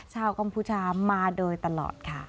กัมพูชามาโดยตลอดค่ะ